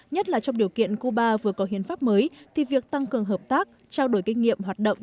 nhất là trong điều kiện cuba vừa có hiến pháp mới thì việc tăng cường hợp tác trao đổi kinh nghiệm hoạt động